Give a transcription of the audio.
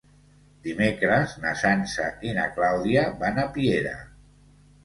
Dimecres na Sança i na Clàudia van a Piera.